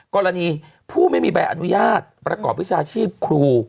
กรณีผู้ไม่มีใบอนุญาตประกอบวิชาชีพครู